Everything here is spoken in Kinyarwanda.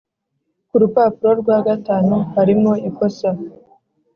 ku rupapuro rwa gatanu harimo ikosa